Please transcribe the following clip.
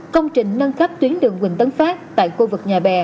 công trình nâng cấp tuyến đường quỳnh tấn phát tại khu vực nhà bè